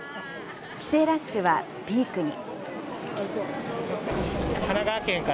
帰省ラッシュはピークに。